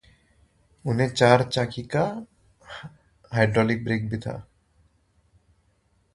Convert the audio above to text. It also had four-wheel hydraulic brakes.